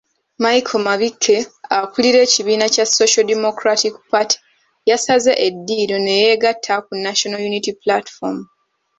Michael Mabikke akulira ekibiina kya Social Democratic Party yasaze eddiiro ne yeegatta ku National Unity Platform.